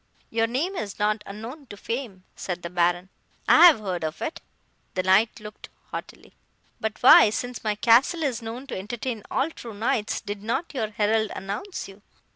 "'Your name is not unknown to fame,' said the Baron, 'I have heard of it.' (The Knight looked haughtily.) 'But why, since my castle is known to entertain all true knights, did not your herald announce you?